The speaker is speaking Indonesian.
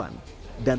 dan tahan penerimaan